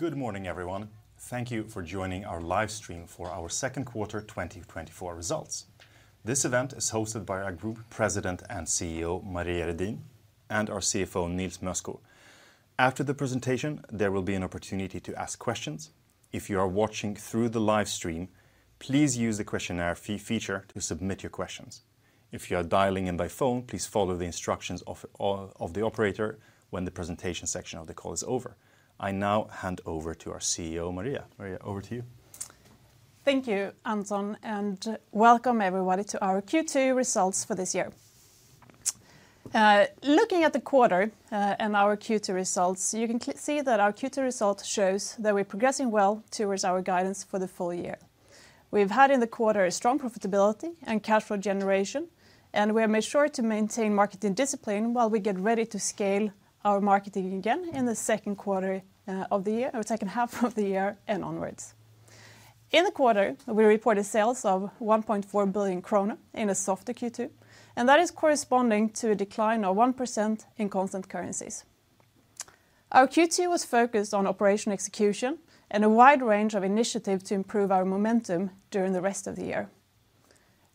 Good morning, everyone. Thank you for joining our live stream for our second quarter 2024 results. This event is hosted by our Group President and CEO, Maria Redin, and our CFO, Nils Mösko. After the presentation, there will be an opportunity to ask questions. If you are watching through the live stream, please use the Q&A feature to submit your questions. If you are dialing in by phone, please follow the instructions of the operator when the presentation section of the call is over. I now hand over to our CEO, Maria. Maria, over to you. Thank you, Anton, and welcome everybody to our Q2 results for this year. Looking at the quarter, and our Q2 results, you can see that our Q2 result shows that we're progressing well towards our guidance for the full year. We've had in the quarter a strong profitability and cash flow generation, and we have made sure to maintain marketing discipline while we get ready to scale our marketing again in the second quarter of the year, or second half of the year and onwards. In the quarter, we reported sales of 1.4 billion krona in a softer Q2, and that is corresponding to a decline of 1% in constant currencies. Our Q2 was focused on operation execution and a wide range of initiatives to improve our momentum during the rest of the year.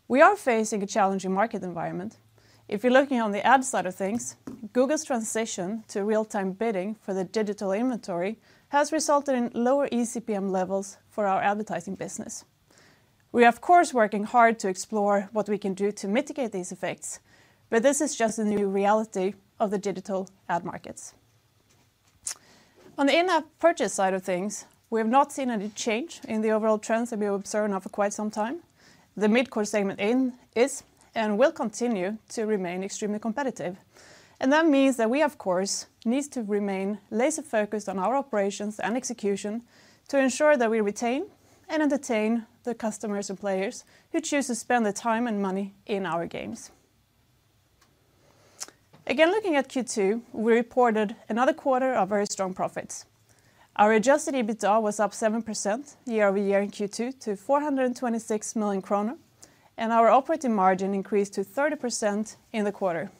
We are facing a challenging market environment. If you're looking on the ad side of things, Google's transition to real-time bidding for the digital inventory has resulted in lower eCPM levels for our advertising business. We are, of course, working hard to explore what we can do to mitigate these effects, but this is just the new reality of the digital ad markets. On the in-app purchase side of things, we have not seen any change in the overall trends that we've observed now for quite some time. The mid-core segment is and will continue to remain extremely competitive, and that means that we, of course, need to remain laser-focused on our operations and execution to ensure that we retain and entertain the customers and players who choose to spend their time and money in our games. Again, looking at Q2, we reported another quarter of very strong profits. Our Adjusted EBITDA was up 7% year-over-year in Q2 to 426 million kronor, and our operating margin increased to 30% in the quarter.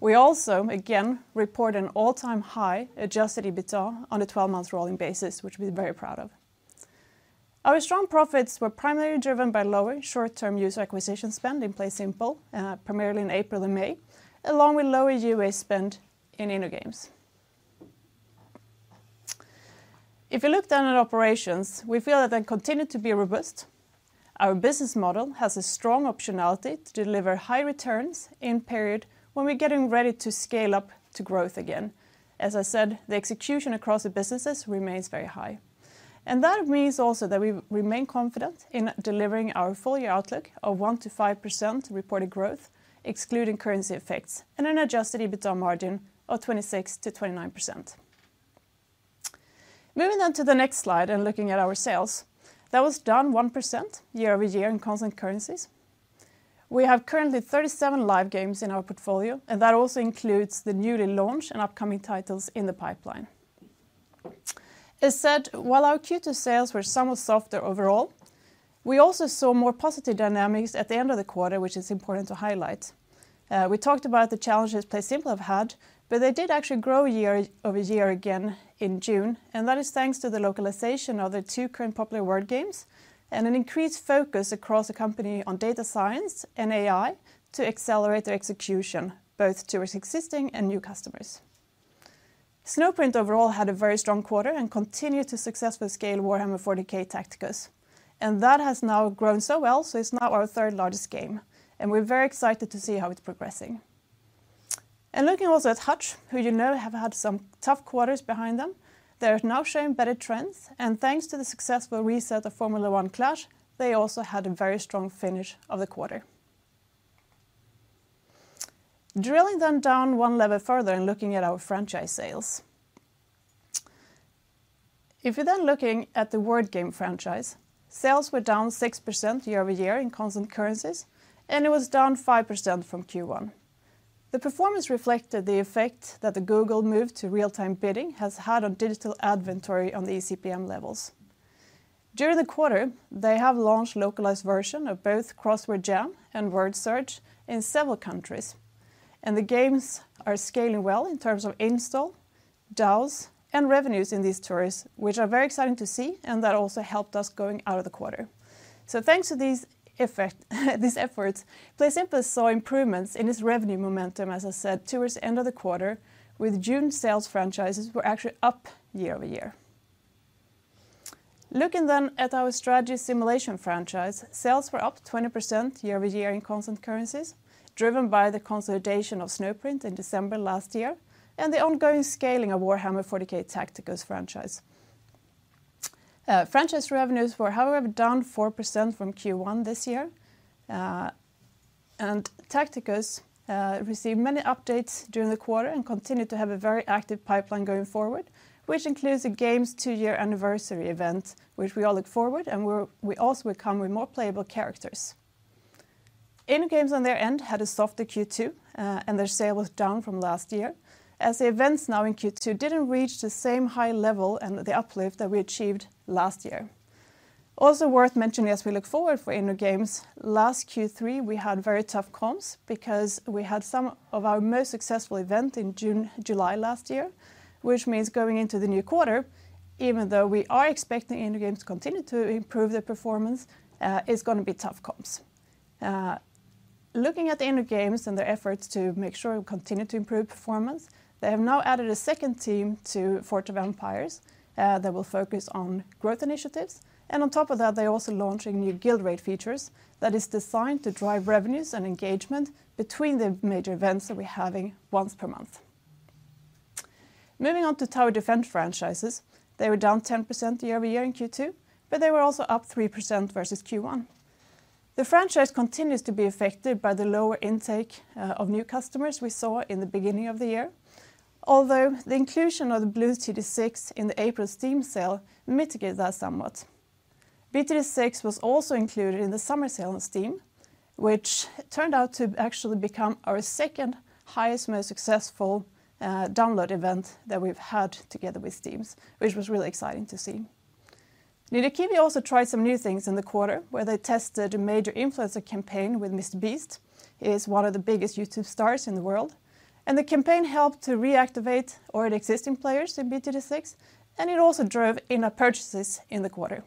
We also, again, report an all-time high Adjusted EBITDA on a 12-month rolling basis, which we're very proud of. Our strong profits were primarily driven by lower short-term user acquisition spend in PlaySimple, primarily in April and May, along with lower UA spend in InnoGames. If you look down at operations, we feel that they continue to be robust. Our business model has a strong optionality to deliver high returns in period when we're getting ready to scale up to growth again. As I said, the execution across the businesses remains very high, and that means also that we remain confident in delivering our full-year outlook of 1%-5% reported growth, excluding currency effects, and an Adjusted EBITDA margin of 26%-29%. Moving on to the next slide and looking at our sales, that was down 1% year over year in constant currencies. We have currently 37 live games in our portfolio, and that also includes the newly launched and upcoming titles in the pipeline. As said, while our Q2 sales were somewhat softer overall, we also saw more positive dynamics at the end of the quarter, which is important to highlight. We talked about the challenges PlaySimple have had, but they did actually grow year-over-year again in June, and that is thanks to the localization of the two current popular word games and an increased focus across the company on data science and AI to accelerate their execution, both towards existing and new customers. Snowprint overall had a very strong quarter and continued to successfully scale Warhammer 40,000: Tacticus, and that has now grown so well, so it's now our third largest game, and we're very excited to see how it's progressing. And looking also at Hutch, who you know have had some tough quarters behind them, they're now showing better trends, and thanks to the successful reset of F1 Clash, they also had a very strong finish of the quarter. Drilling them down one level further and looking at our franchise sales. If you're then looking at the word game franchise, sales were down 6% year-over-year in constant currencies, and it was down 5% from Q1. The performance reflected the effect that the Google move to real-time bidding has had on digital inventory on the eCPM levels. During the quarter, they have launched localized versions of both Crossword Jam and Word Search in several countries, and the games are scaling well in terms of installs, DAUs, and revenues in these territories, which are very exciting to see, and that also helped us going out of the quarter. So thanks to these effects, these efforts, PlaySimple saw improvements in its revenue momentum, as I said, towards the end of the quarter, with June sales for the franchise were actually up year-over-year. Looking then at our strategy simulation franchise, sales were up 20% year-over-year in constant currencies, driven by the consolidation of Snowprint in December last year and the ongoing scaling of Warhammer 40,000: Tacticus franchise. Franchise revenues were, however, down 4% from Q1 this year, and Tacticus received many updates during the quarter and continued to have a very active pipeline going forward, which includes the game's 2-year anniversary event, which we all look forward, and we also will come with more playable characters. InnoGames, on their end, had a softer Q2, and their sale was down from last year, as the events now in Q2 didn't reach the same high level and the uplift that we achieved last year. Also worth mentioning as we look forward for InnoGames, last Q3, we had very tough comps because we had some of our most successful event in June, July last year, which means going into the new quarter, even though we are expecting InnoGames to continue to improve their performance, it's gonna be tough comps. Looking at the InnoGames and their efforts to make sure we continue to improve performance, they have now added a second team to Forge of Empires, that will focus on growth initiatives, and on top of that, they're also launching new guild raid features that is designed to drive revenues and engagement between the major events that we're having once per month. Moving on to Tower Defense franchises, they were down 10% year-over-year in Q2, but they were also up 3% versus Q1. The franchise continues to be affected by the lower intake of new customers we saw in the beginning of the year, although the inclusion of the Bloons TD 6 in the April Steam sale mitigated that somewhat. BTD 6 was also included in the summer sale on Steam, which turned out to actually become our second highest, most successful download event that we've had together with Steam, which was really exciting to see. Ninja Kiwi also tried some new things in the quarter, where they tested a major influencer campaign with MrBeast. He is one of the biggest YouTube stars in the world, and the campaign helped to reactivate already existing players in BTD 6, and it also drove in-app purchases in the quarter.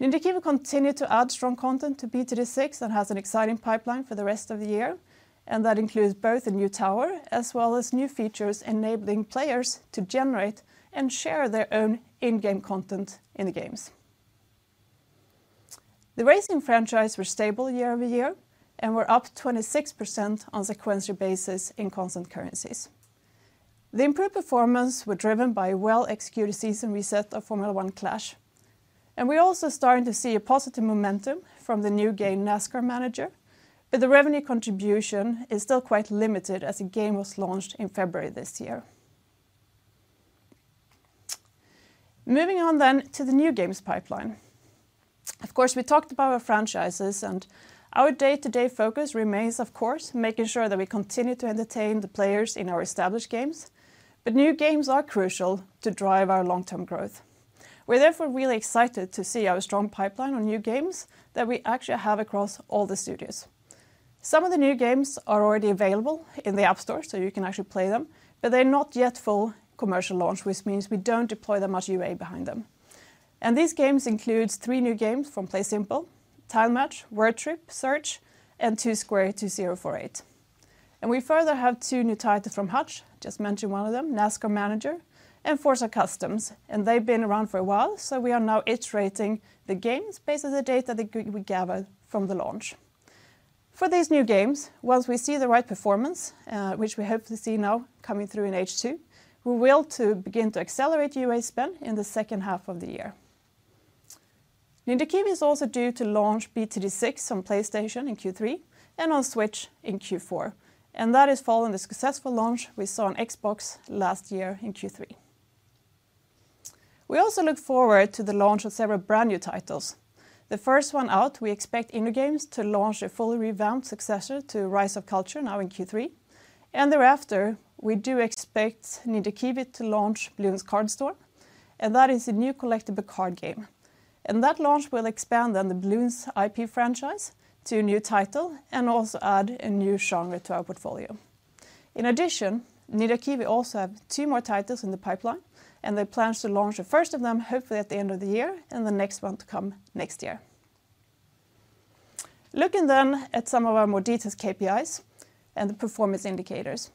Ninja Kiwi continued to add strong content to BTD 6 and has an exciting pipeline for the rest of the year, and that includes both a new tower as well as new features, enabling players to generate and share their own in-game content in the games. The racing franchise was stable year-over-year and were up 26% on sequential basis in constant currencies. The improved performance were driven by a well-executed season reset of F1 Clash, and we're also starting to see a positive momentum from the new game, NASCAR Manager, but the revenue contribution is still quite limited as the game was launched in February this year. Moving on then to the new games pipeline. Of course, we talked about our franchises, and our day-to-day focus remains, of course, making sure that we continue to entertain the players in our established games, but new games are crucial to drive our long-term growth. We're therefore really excited to see our strong pipeline on new games that we actually have across all the studios. Some of the new games are already available in the App Store, so you can actually play them, but they're not yet full commercial launch, which means we don't deploy that much UA behind them. These games includes three new games from PlaySimple: Tile Match, Word Trip: Search, and Two Square 2048. We further have two new titles from Hutch, just mentioned one of them, NASCAR Manager and Forza Customs, and they've been around for a while, so we are now iterating the games based on the data that we gathered from the launch. For these new games, once we see the right performance, which we hope to see now coming through in H2, we will to begin to accelerate UA spend in the second half of the year. Ninja Kiwi is also due to launch BTD6 on PlayStation in Q3 and on Switch in Q4, and that is following the successful launch we saw on Xbox last year in Q3. We also look forward to the launch of several brand-new titles. The first one out, we expect InnoGames to launch a fully revamped successor to Rise of Cultures, now in Q3. Thereafter, we do expect Ninja Kiwi to launch Bloons Card Storm, and that is a new collectible card game. That launch will expand on the Bloons IP franchise to a new title and also add a new genre to our portfolio. In addition, Ninja Kiwi also have two more titles in the pipeline, and they plan to launch the first of them, hopefully at the end of the year, and the next one to come next year. Looking then at some of our more detailed KPIs and the performance indicators,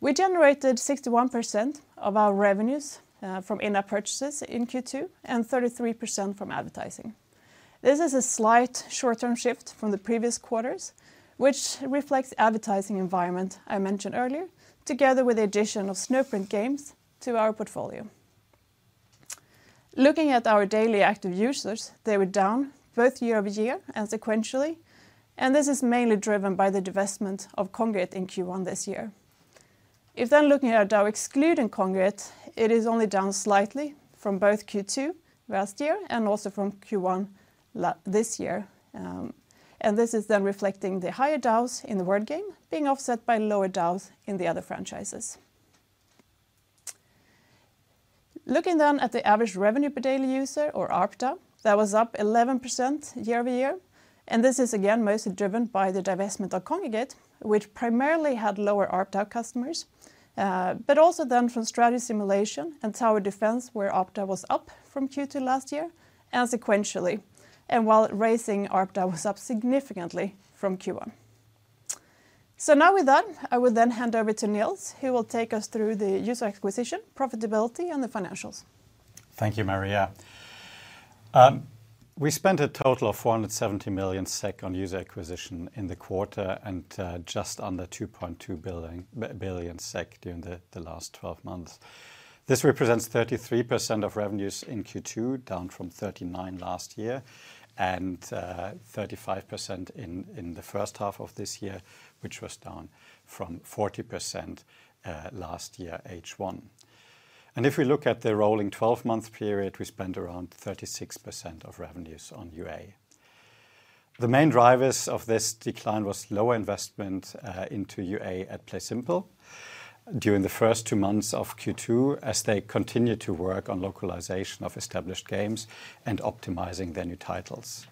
we generated 61% of our revenues from in-app purchases in Q2 and 33% from advertising. This is a slight short-term shift from the previous quarters, which reflects the advertising environment I mentioned earlier, together with the addition of Snowprint Studios to our portfolio. Looking at our daily active users, they were down both year-over-year and sequentially, and this is mainly driven by the divestment of Kongregate in Q1 this year. If then looking at our DAU excluding Kongregate, it is only down slightly from both Q2 last year and also from Q1 this year, and this is then reflecting the higher DAUs in the word game, being offset by lower DAUs in the other franchises. Looking then at the average revenue per daily user or ARPDAU, that was up 11% year-over-year, and this is again, mostly driven by the divestment of Kongregate, which primarily had lower ARPDAU customers, but also then from strategy simulation and tower defense, where ARPDAU was up from Q2 last year and sequentially, and while racing, ARPDAU was up significantly from Q1. So now with that, I will then hand over to Nils, who will take us through the user acquisition, profitability, and the financials. Thank you, Maria. We spent a total of 470 million SEK on user acquisition in the quarter, and just under 2.2 billion SEK during the last twelve months. This represents 33% of revenues in Q2, down from 39% last year, and 35% in the first half of this year, which was down from 40% last year, H1. If we look at the rolling twelve-month period, we spent around 36% of revenues on UA. The main drivers of this decline was lower investment into UA at PlaySimple during the first two months of Q2, as they continued to work on localization of established games and optimizing their new titles.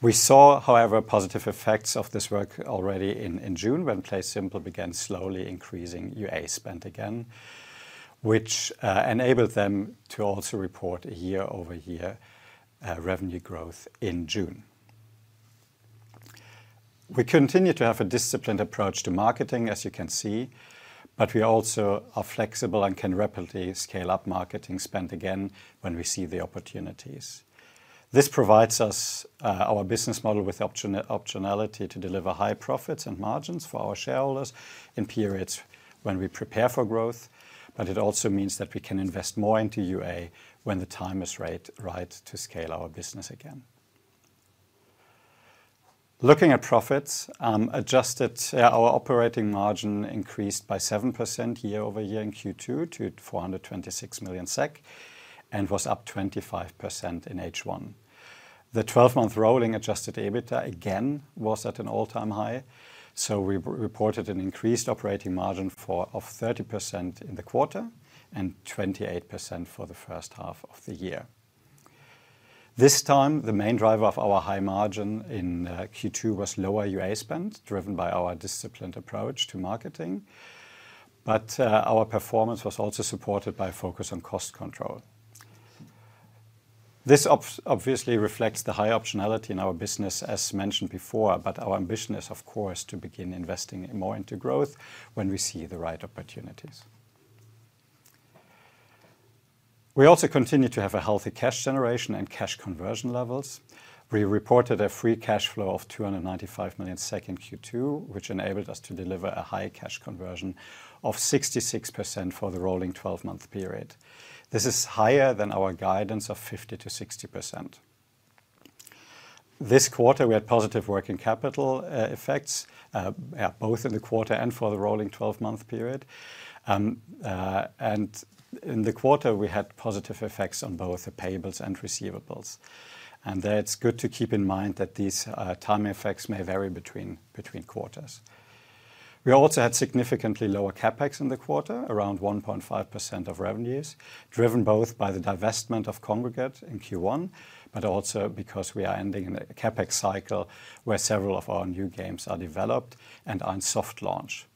We saw, however, positive effects of this work already in June, when PlaySimple began slowly increasing UA spend again, which enabled them to also report a year-over-year revenue growth in June. We continue to have a disciplined approach to marketing, as you can see, but we also are flexible and can rapidly scale up marketing spend again when we see the opportunities. This provides us our business model with optionality to deliver high profits and margins for our shareholders in periods when we prepare for growth, but it also means that we can invest more into UA when the time is right to scale our business again. Looking at profits, adjusted our operating margin increased by 7% year-over-year in Q2 to 426 million SEK, and was up 25% in H1. The twelve-month rolling Adjusted EBITDA, again, was at an all-time high, so we reported an increased operating margin of 30% in the quarter and 28% for the first half of the year. This time, the main driver of our high margin in Q2 was lower UA spend, driven by our disciplined approach to marketing, but our performance was also supported by focus on cost control. This obviously reflects the high optionality in our business, as mentioned before, but our ambition is, of course, to begin investing more into growth when we see the right opportunities. We also continue to have a healthy cash generation and cash conversion levels. We reported a free cash flow of 295 million in Q2, which enabled us to deliver a high cash conversion of 66% for the rolling twelve-month period. This is higher than our guidance of 50%-60%. This quarter, we had positive working capital effects both in the quarter and for the rolling twelve-month period. And in the quarter, we had positive effects on both the payables and receivables. And there, it's good to keep in mind that these timing effects may vary between quarters. We also had significantly lower CapEx in the quarter, around 1.5% of revenues, driven both by the divestment of Kongregate in Q1, but also because we are ending a CapEx cycle where several of our new games are developed and are in soft launch.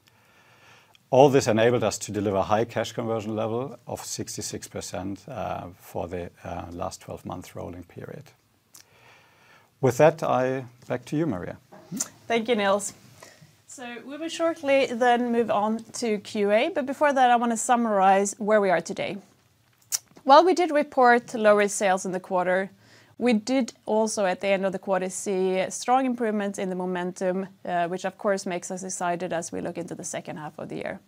All this enabled us to deliver high cash conversion level of 66% for the last twelve-month rolling period. With that, I... Back to you, Maria. Thank you, Nils. So we will shortly then move on to Q&A, but before that, I want to summarize where we are today. While we did report lower sales in the quarter, we did also, at the end of the quarter, see a strong improvement in the momentum, which of course, makes us excited as we look into the second half of the year.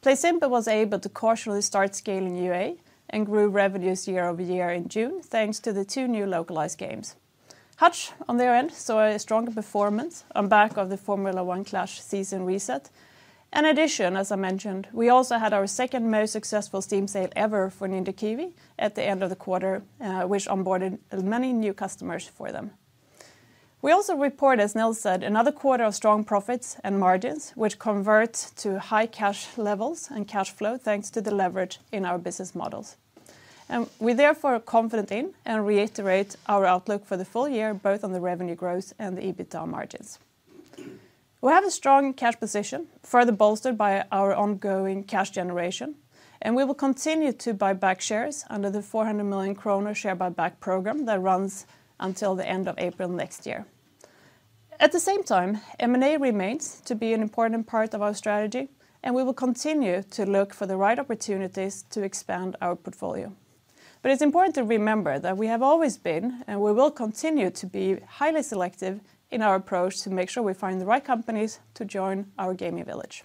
PlaySimple was able to cautiously start scaling UA and grew revenues year-over-year in June, thanks to the two new localized games. Hutch, on their end, saw a stronger performance on back of the F1 Clash season reset. In addition, as I mentioned, we also had our second most successful Steam sale ever for Ninja Kiwi at the end of the quarter, which onboarded many new customers for them. We also report, as Nils said, another quarter of strong profits and margins, which convert to high cash levels and cash flow, thanks to the leverage in our business models. We therefore are confident in and reiterate our outlook for the full year, both on the revenue growth and the EBITDA margins. We have a strong cash position, further bolstered by our ongoing cash generation, and we will continue to buy back shares under the 400 million kronor share buyback program that runs until the end of April next year. At the same time, M&A remains to be an important part of our strategy, and we will continue to look for the right opportunities to expand our portfolio. But it's important to remember that we have always been, and we will continue to be, highly selective in our approach to make sure we find the right companies to join our gaming village.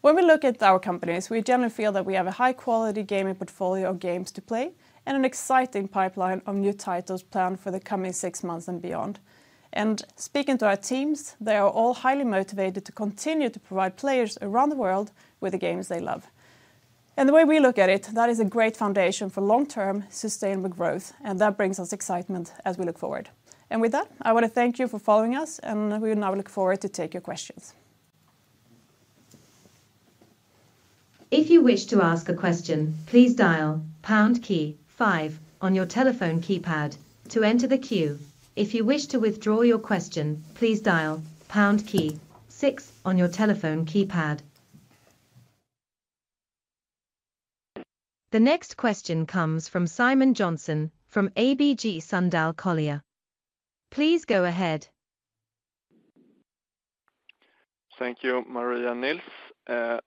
When we look at our companies, we generally feel that we have a high-quality gaming portfolio of games to play and an exciting pipeline of new titles planned for the coming six months and beyond. Speaking to our teams, they are all highly motivated to continue to provide players around the world with the games they love. The way we look at it, that is a great foundation for long-term, sustainable growth, and that brings us excitement as we look forward. With that, I want to thank you for following us, and we will now look forward to take your questions. If you wish to ask a question, please dial pound key five on your telephone keypad to enter the queue. If you wish to withdraw your question, please dial pound key six on your telephone keypad. The next question comes from Simon Jönsson from ABG Sundal Collier. Please go ahead. Thank you, Maria and Nils.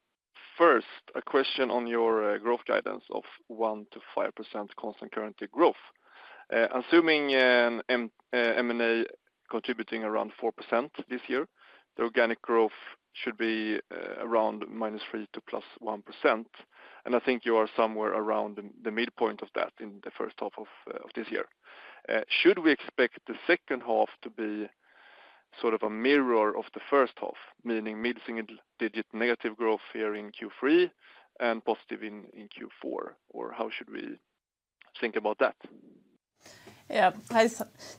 First, a question on your growth guidance of 1%-5% constant currency growth. Assuming M&A contributing around 4% this year, the organic growth should be around -3% to +1%, and I think you are somewhere around the midpoint of that in the first half of this year. Should we expect the second half to be sort of a mirror of the first half, meaning mid-single digit negative growth here in Q3 and positive in Q4, or how should we think about that? Yeah. Hi,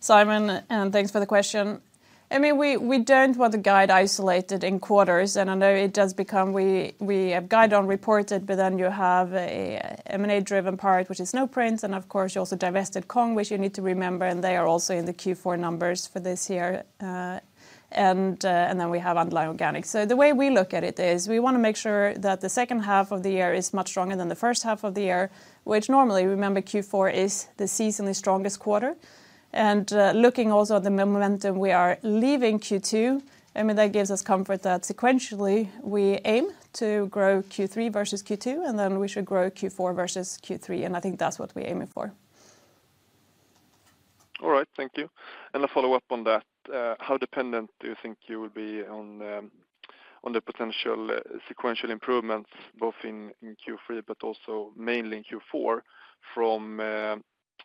Simon, and thanks for the question. I mean, we don't want to guide isolated in quarters, and I know it does become we have guide on reported, but then you have a M&A-driven part, which is Snowprint, and of course, you also divested Kong, which you need to remember, and they are also in the Q4 numbers for this year, and then we have underlying organic. So the way we look at it is we want to make sure that the second half of the year is much stronger than the first half of the year, which normally, remember, Q4 is the seasonally strongest quarter. Looking also at the momentum we are leaving Q2, I mean, that gives us comfort that sequentially we aim to grow Q3 versus Q2, and then we should grow Q4 versus Q3, and I think that's what we're aiming for. All right. Thank you. A follow-up on that, how dependent do you think you will be on the potential sequential improvements, both in Q3, but also mainly in Q4 from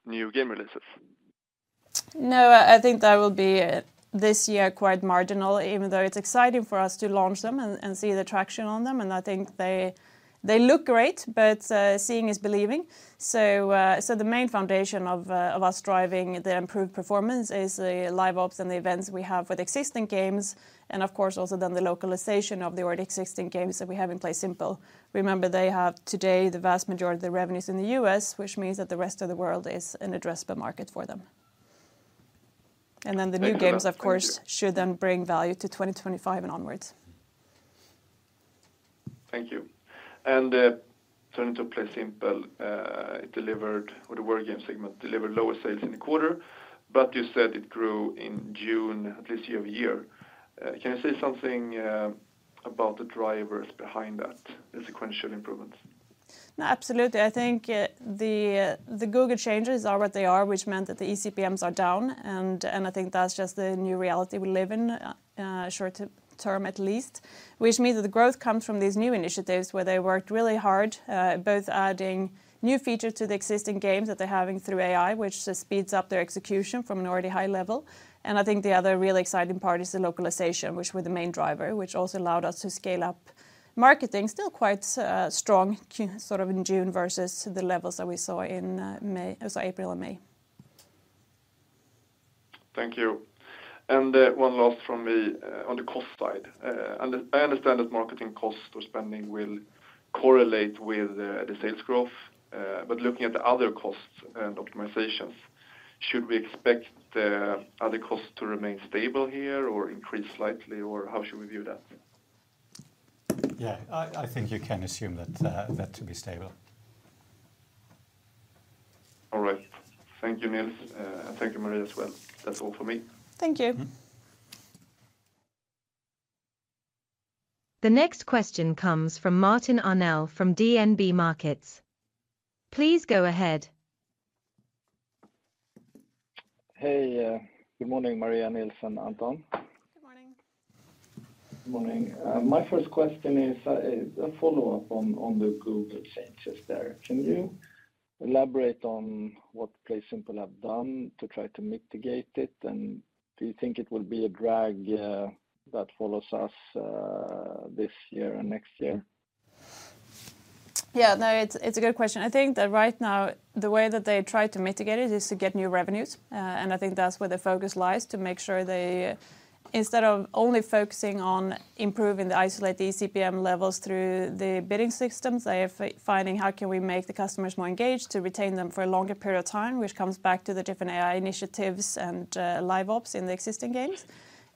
new game releases? No, I think that will be, this year, quite marginal, even though it's exciting for us to launch them and see the traction on them, and I think they look great, but seeing is believing. So the main foundation of us driving the improved performance is the live ops and the events we have with existing games, and of course, also then the localization of the already existing games that we have in PlaySimple. Remember, they have, today, the vast majority of the revenues in the US, which means that the rest of the world is an addressable market for them. Thank you. The new games, of course, should then bring value to 2025 and onwards. Thank you. And, turning to PlaySimple, it delivered, or the word game segment delivered lower sales in the quarter, but you said it grew in June this year-over-year. Can you say something about the drivers behind that, the sequential improvements? No, absolutely. I think, the Google changes are what they are, which meant that the eCPMs are down, and I think that's just the new reality we live in, short-term, at least, which means that the growth comes from these new initiatives where they worked really hard, both adding new features to the existing games that they're having through AI, which just speeds up their execution from an already high level. And I think the other really exciting part is the localization, which were the main driver, which also allowed us to scale up marketing. Still quite strong, sort of in June versus the levels that we saw in, May, or sorry, April and May. Thank you. One last from me, on the cost side. I understand that marketing cost or spending will correlate with the sales growth, but looking at the other costs and optimizations, should we expect the other costs to remain stable here or increase slightly, or how should we view that? Yeah, I think you can assume that to be stable. All right. Thank you, Nils. Thank you, Maria, as well. That's all for me. Thank you. Mm-hmm. The next question comes from Martin Arnell from DNB Markets. Please go ahead. Hey, good morning, Maria, Nils, and Anton. Good morning. Good morning. My first question is a follow-up on the Google changes there. Can you elaborate on what PlaySimple have done to try to mitigate it, and do you think it will be a drag that follows us this year and next year? Yeah, no, it's, it's a good question. I think that right now, the way that they try to mitigate it is to get new revenues, and I think that's where the focus lies, to make sure they... Instead of only focusing on improving the isolated eCPM levels through the bidding systems, they are finding how can we make the customers more engaged to retain them for a longer period of time, which comes back to the different AI initiatives and, live ops in the existing games.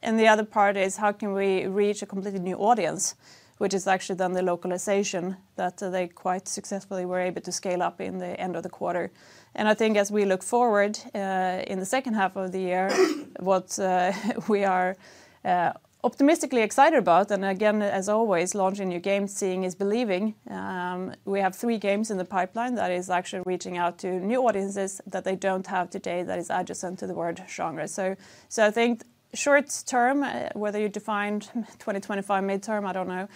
And the other part is, how can we reach a completely new audience, which is actually then the localization that they quite successfully were able to scale up in the end of the quarter. I think as we look forward, in the second half of the year, what we are optimistically excited about, and again, as always, launching new games, seeing is believing. We have three games in the pipeline that is actually reaching out to new audiences that they don't have today that is adjacent to the word genre. So, I think short term, whether you defined 2025 mid-term, I don't know,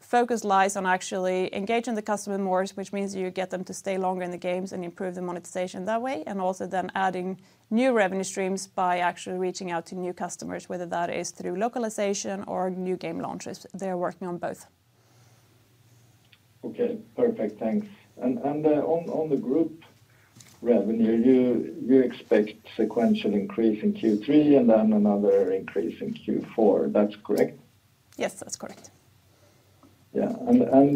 focus lies on actually engaging the customer more, which means you get them to stay longer in the games and improve the monetization that way, and also then adding new revenue streams by actually reaching out to new customers, whether that is through localization or new game launches. They are working on both. Okay, perfect. Thanks. And on the group revenue, you expect sequential increase in Q3 and then another increase in Q4. That's correct? Yes, that's correct. Yeah, and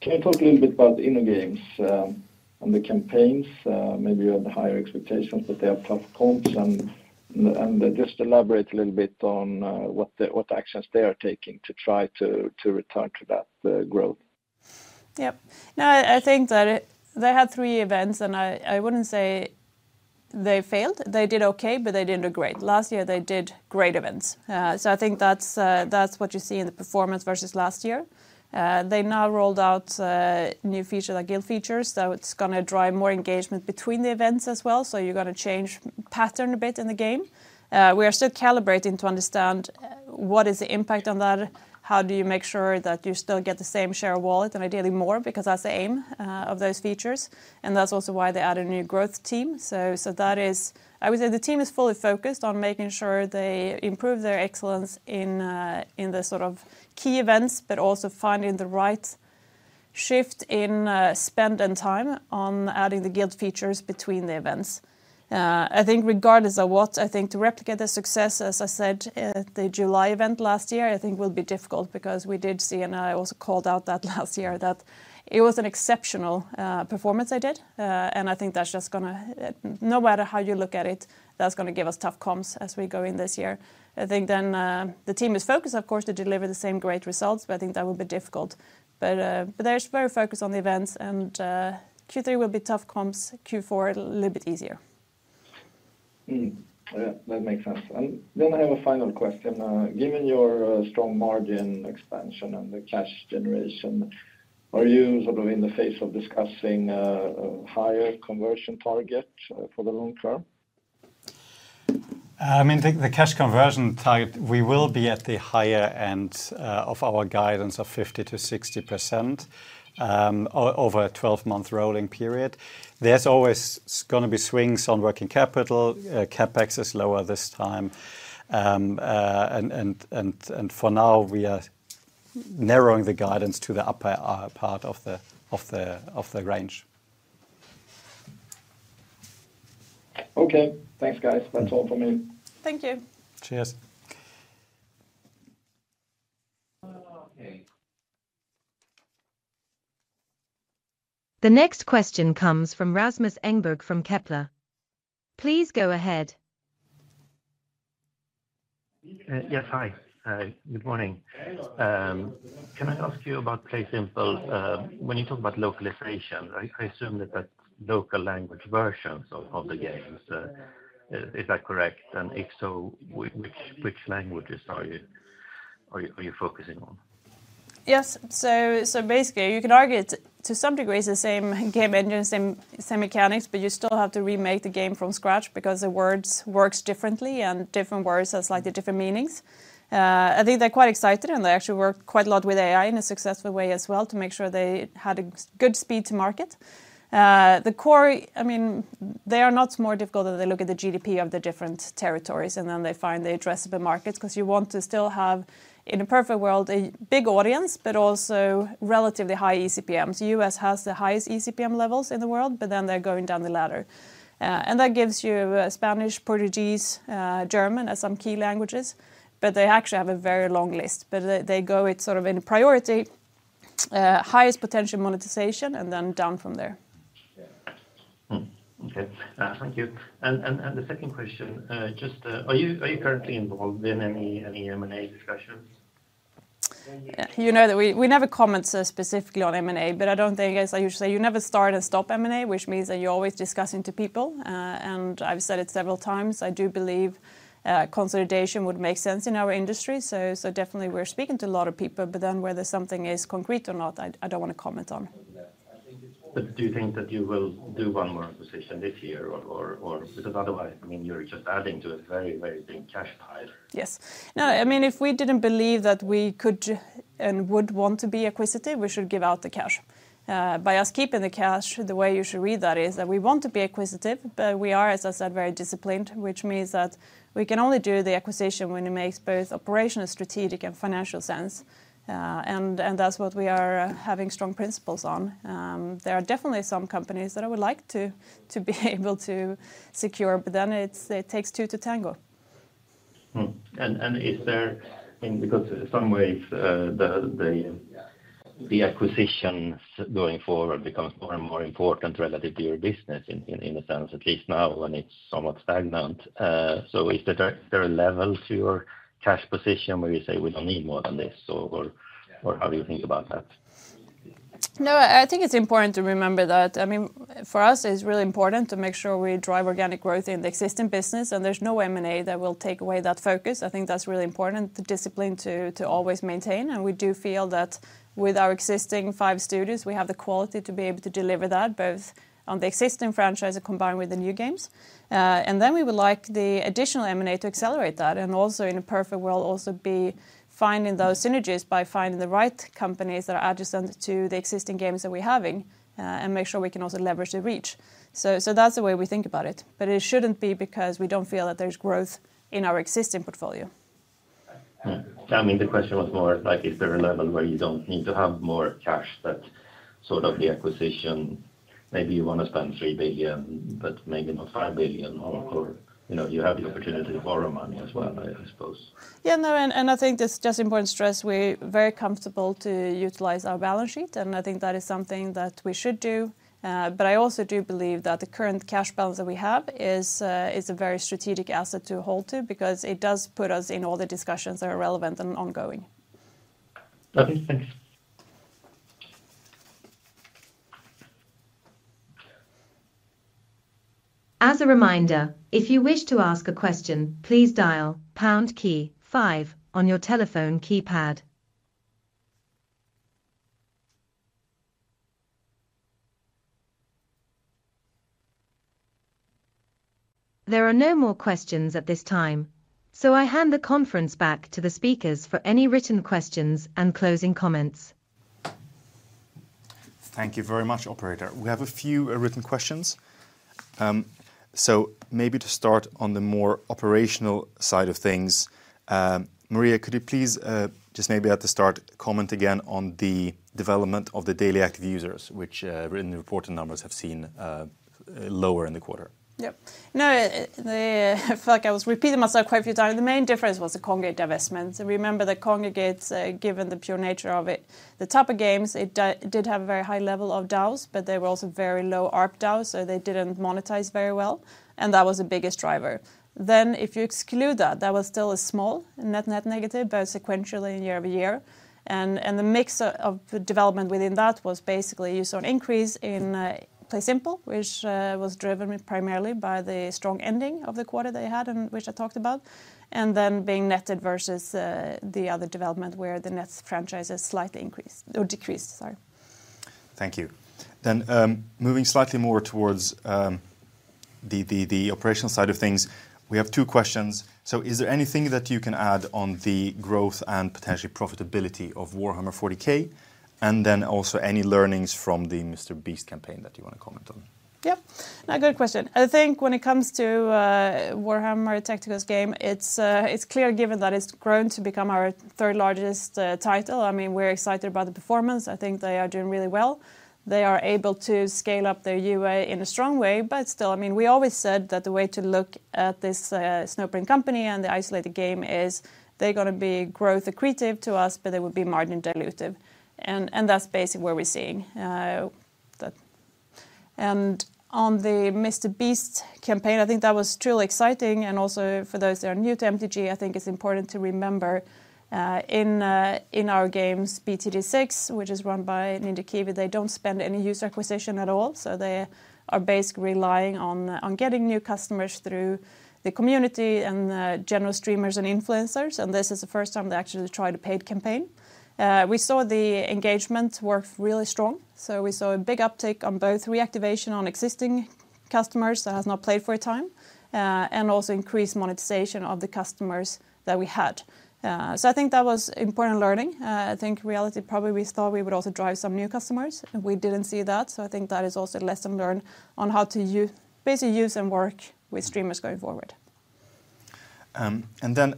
can you talk a little bit about the InnoGames on the comps? Maybe you have higher expectations, but they have tough comps and just elaborate a little bit on what actions they are taking to try to return to that growth. Yep. No, I think that they had three events, and I wouldn't say they failed. They did okay, but they didn't do great. Last year, they did great events. So I think that's what you see in the performance versus last year. They now rolled out new feature, like guild features, so it's gonna drive more engagement between the events as well, so you're gonna change pattern a bit in the game. We are still calibrating to understand what is the impact on that? How do you make sure that you still get the same share of wallet, and ideally more, because that's the aim of those features, and that's also why they added a new growth team. That is, I would say the team is fully focused on making sure they improve their excellence in the sort of key events, but also finding the right shift in spend and time on adding the guild features between the events. I think regardless of what, I think to replicate the success, as I said, the July event last year, I think will be difficult because we did see, and I also called out that last year, that it was an exceptional performance they did. And I think that's just gonna, no matter how you look at it, that's gonna give us tough comps as we go in this year. I think then the team is focused, of course, to deliver the same great results, but I think that will be difficult. But they're very focused on the events, and Q3 will be tough comps, Q4 a little bit easier. Yeah, that makes sense. And then I have a final question. Given your strong margin expansion and the cash generation, are you sort of in the phase of discussing higher conversion target for the long term? I mean, the cash conversion target, we will be at the higher end of our guidance of 50%-60% over a 12-month rolling period. There's always gonna be swings on working capital. CapEx is lower this time. And for now, we are narrowing the guidance to the upper part of the range. Okay. Thanks, guys. That's all from me. Thank you. Cheers! Okay. The next question comes from Rasmus Engberg from Kepler. Please go ahead. Yes, hi. Good morning. Can I ask you about PlaySimple? When you talk about localization, I assume that that's local language versions of the games. Is that correct? And if so, which languages are you focusing on? Yes. So basically, you can argue it's to some degree, it's the same game engine, same mechanics, but you still have to remake the game from scratch because the words works differently, and different words has slightly different meanings. I think they're quite excited, and they actually work quite a lot with AI in a successful way as well, to make sure they had a good speed to market. The core—I mean, they are not more difficult than they look at the GDP of the different territories, and then they find the addressable markets, 'cause you want to still have, in a perfect world, a big audience, but also relatively high eCPMs. US has the highest eCPM levels in the world, but then they're going down the ladder. And that gives you Spanish, Portuguese, German, as some key languages, but they actually have a very long list. But they go at it sort of in a priority, highest potential monetization, and then down from there. Okay. Thank you. And the second question, just... Are you currently involved in any M&A discussions? You know that we never comment so specifically on M&A, but I don't think, as I usually say, you never start and stop M&A, which means that you're always discussing to people. And I've said it several times, I do believe consolidation would make sense in our industry. So definitely we're speaking to a lot of people, but then whether something is concrete or not, I don't want to comment on. But do you think that you will do one more acquisition this year or...? Because otherwise, I mean, you're just adding to a very, very big cash pile. Yes. No, I mean, if we didn't believe that we could and would want to be acquisitive, we should give out the cash. By us keeping the cash, the way you should read that is that we want to be acquisitive, but we are, as I said, very disciplined, which means that we can only do the acquisition when it makes both operational, strategic, and financial sense. And that's what we are having strong principles on. There are definitely some companies that I would like to be able to secure, but then it's, it takes two to tango. Hmm. And is there... I mean, because in some ways, the acquisitions going forward becomes more and more important relative to your business in a sense, at least now, when it's somewhat stagnant. So is there a level to your cash position where you say, "We don't need more than this," or how do you think about that? No, I think it's important to remember that, I mean, for us, it's really important to make sure we drive organic growth in the existing business, and there's no M&A that will take away that focus. I think that's really important, the discipline to always maintain, and we do feel that with our existing five studios, we have the quality to be able to deliver that, both on the existing franchise combined with the new games. And then we would like the additional M&A to accelerate that, and also, in a perfect world, also be finding those synergies by finding the right companies that are adjacent to the existing games that we're having, and make sure we can also leverage the reach. So that's the way we think about it, but it shouldn't be because we don't feel that there's growth in our existing portfolio. Hmm. I mean, the question was more like, is there a level where you don't need to have more cash, that sort of the acquisition, maybe you want to spend 3 billion, but maybe not 5 billion or, or, you know, you have the opportunity to borrow money as well, I suppose. Yeah, no, and, and I think it's just important to stress, we're very comfortable to utilize our balance sheet, and I think that is something that we should do. But I also do believe that the current cash balance that we have is a, is a very strategic asset to hold to because it does put us in all the discussions that are relevant and ongoing. Okay, thanks. As a reminder, if you wish to ask a question, please dial pound key five on your telephone keypad. There are no more questions at this time, so I hand the conference back to the speakers for any written questions and closing comments. Thank you very much, operator. We have a few written questions. So maybe to start on the more operational side of things, Maria, could you please just maybe at the start comment again on the development of the daily active users, which written report and numbers have seen lower in the quarter? Yep. No, I feel like I was repeating myself quite a few times. The main difference was the Kongregate divestment. So remember that Kongregate, given the pure nature of it, the type of games, it did have a very high level of DAUs, but they were also very low ARPDAU, so they didn't monetize very well, and that was the biggest driver. Then, if you exclude that, that was still a small net-net negative, both sequentially and year-over-year. And the mix of development within that was basically, you saw an increase in PlaySimple, which was driven primarily by the strong ending of the quarter they had, and which I talked about, and then being netted versus the other development where the net franchises slightly increased or decreased, sorry. Thank you. Then, moving slightly more towards the operational side of things, we have two questions. Is there anything that you can add on the growth and potential profitability of Warhammer 40K? And then also any learnings from the MrBeast campaign that you want to comment on? Yep. No, good question. I think when it comes to Warhammer 40,000: Tacticus, it's clear given that it's grown to become our third-largest title. I mean, we're excited about the performance. I think they are doing really well. They are able to scale up their UA in a strong way, but still, I mean, we always said that the way to look at this Snowprint Studios company and the isolated game is they're gonna be growth accretive to us, but they will be margin dilutive, and that's basically what we're seeing, that. And on the MrBeast campaign, I think that was truly exciting, and also for those that are new to MTG, I think it's important to remember, in our games, BTD 6, which is run by Ninja Kiwi, they don't spend any user acquisition at all. So they are basically relying on getting new customers through the community and general streamers and influencers, and this is the first time they actually tried a paid campaign. We saw the engagement was really strong, so we saw a big uptake on both reactivation on existing customers that has not played for a time, and also increased monetization of the customers that we had. So I think that was important learning. I think reality, probably, we thought we would also drive some new customers, and we didn't see that, so I think that is also a lesson learned on how to basically use and work with streamers going forward. And then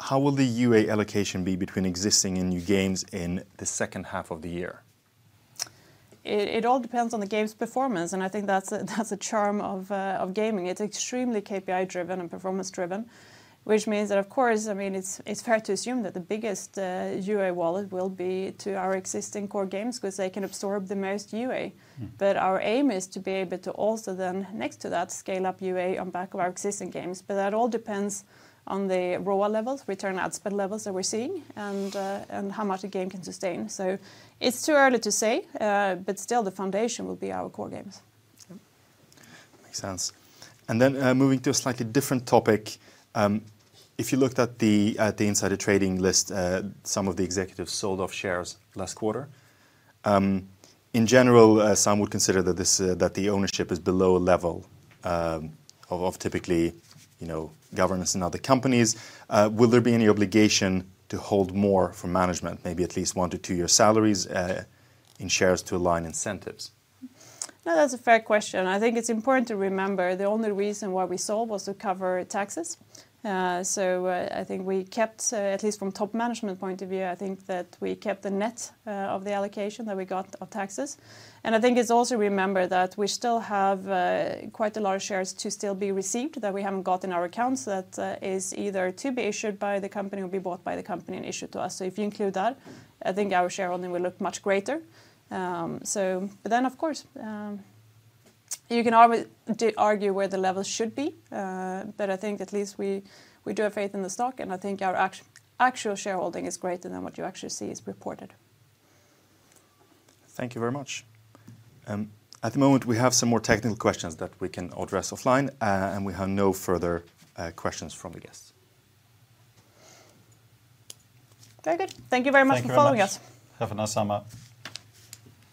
how will the UA allocation be between existing and new games in the second half of the year? It all depends on the game's performance, and I think that's the charm of gaming. It's extremely KPI-driven and performance-driven, which means that of course, I mean, it's fair to assume that the biggest UA wallet will be to our existing core games because they can absorb the most UA. Mm. Our aim is to be able to also then, next to that, scale up UA on back of our existing games, but that all depends on the ROAS levels, return ad spend levels that we're seeing, and how much a game can sustain. It's too early to say, but still, the foundation will be our core games. Yep, makes sense. And then, moving to a slightly different topic, if you looked at the insider trading list, some of the executives sold off shares last quarter. In general, some would consider that the ownership is below level of typically, you know, governance in other companies. Will there be any obligation to hold more for management, maybe at least 1-2-year salaries in shares to align incentives? Well, that's a fair question. I think it's important to remember, the only reason why we sold was to cover taxes. So, I think we kept at least from top management point of view, I think that we kept the net of the allocation that we got of taxes. And I think it's also remember that we still have quite a lot of shares to still be received, that we haven't got in our accounts, that is either to be issued by the company or be bought by the company and issued to us. So if you include that, I think our shareholding will look much greater. But then, of course, you can always disagree where the level should be, but I think at least we do have faith in the stock, and I think our actual shareholding is greater than what you actually see reported. Thank you very much. At the moment, we have some more technical questions that we can address offline, and we have no further questions from the guests. Very good. Thank you very much for joining us. Thank you very much. Have a nice summer.